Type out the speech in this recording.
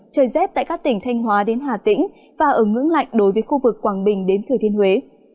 trời rét tại các tỉnh thanh hóa đến hà tĩnh và ở ngưỡng lạnh đối với khu vực quảng bình đến thừa thiên huế